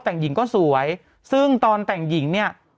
นางหนุ่มมองข้างหลังอีกแล้วเนี่ย